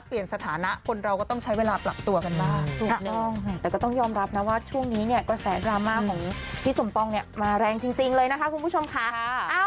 แรงจริงจริงเลยนะคะคุณผู้ชมค่ะค่ะ